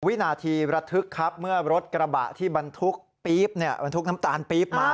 วินาทีระทึกครับเมื่อรถกระบะที่บรรทุกน้ำตาลปลี๊บมา